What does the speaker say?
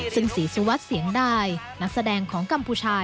ซึ่งศรีสุวัสดิ์เสียงดายนักแสดงของกัมพูชา